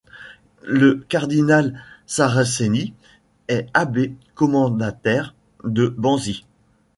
Le cardinal Saraceni est abbé commendataire de Banzi.